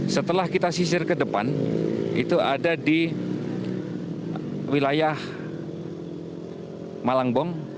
setelah kita sisir ke depan itu ada di wilayah malangbong